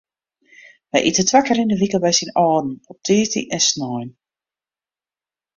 Wy ite twa kear yn de wike by syn âlden, op tiisdei en snein.